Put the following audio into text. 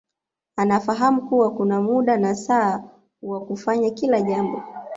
Anafahamu kuwa kuna muda na saa wa kufanya kila jambo